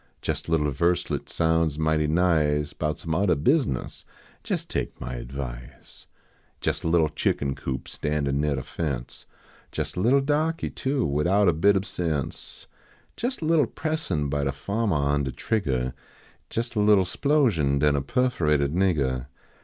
Jes a little verselet sounds mighty nice Bout some oddah business ; jes take my advice. Jes a little chicken coop standin neah de fence Jes a little dahkey, too, widout a hit ob sense ; Jes a little pressin by de fahmer on de triggah, Jes a little splosion, den a perforated niggah.